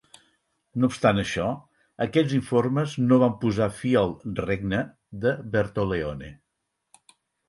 No obstant això, aquests informes no van posar fi al "regne" de Bertoleone.